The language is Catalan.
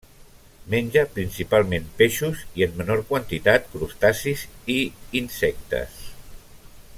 Menja principalment peixos i, en menor quantitat, crustacis i insectes.